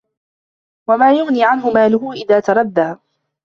وَما يُغني عَنهُ مالُهُ إِذا تَرَدّى